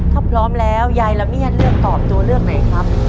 ถ้าพร้อมแล้วยายละเมียดเลือกตอบตัวเลือกไหนครับ